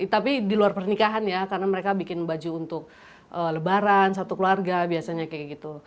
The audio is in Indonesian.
tapi di luar pernikahan ya karena mereka bikin baju untuk lebaran satu keluarga biasanya kayak gitu